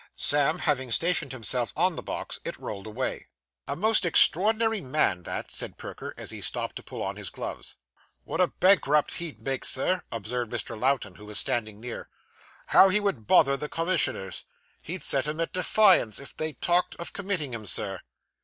Sam having stationed himself on the box, it rolled away. 'A most extraordinary man that!' said Perker, as he stopped to pull on his gloves. 'What a bankrupt he'd make, Sir,' observed Mr. Lowten, who was standing near. 'How he would bother the commissioners! He'd set 'em at defiance if they talked of committing him, Sir.